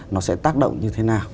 nó sẽ tác động như thế nào